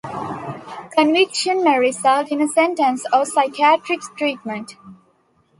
Conviction may result in a sentence or psychiatric treatment.